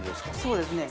そうですね。